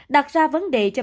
đặt ra vấn đề cho ban chỉ đạo